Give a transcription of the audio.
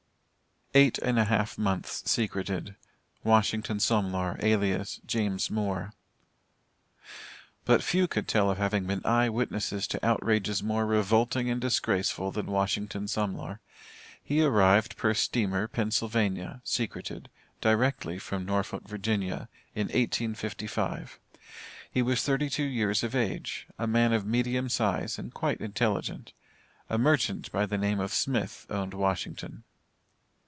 EIGHT AND A HALF MONTHS SECRETED. WASHINGTON SOMLOR, ALIAS JAMES MOORE. But few could tell of having been eye witnesses to outrages more revolting and disgraceful than Washington Somlor. He arrived per steamer Pennsylvania (secreted), directly from Norfolk, Virginia, in 1855. He was thirty two years of age a man of medium size and quite intelligent. A merchant by the name of Smith owned Washington.